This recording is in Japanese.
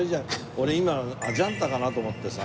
俺今アジャンタかなと思ってさ。